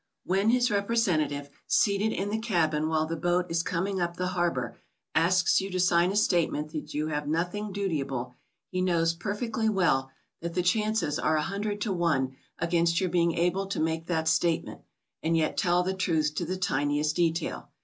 When his representative, seated in the cabin while the boat is com ing up the harbor, asks you to sign a statement that you have nothing dutiable, he knows perfectly well that the chances 194 GOING ABROAD? are a hundred to one against your being able to make that statement and yet tell the truth to the tiniest detail.